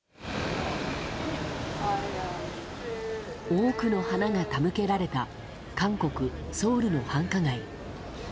多くの花が手向けられた韓国ソウルの繁華街。